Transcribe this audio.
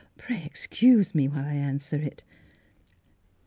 Pray excuse me while I answer it."